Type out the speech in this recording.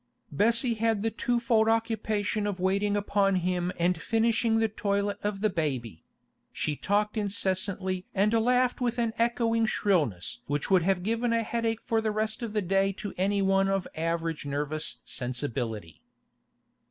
Bessie had the twofold occupation of waiting upon him and finishing the toilet of the baby; she talked incessantly and laughed with an echoing shrillness which would have given a headache for the rest of the day to any one of average nervous sensibility.